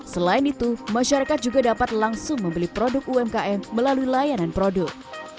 selain itu masyarakat juga dapat langsung membeli produk umkm melalui layanan produk